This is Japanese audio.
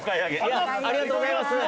ありがとうございます！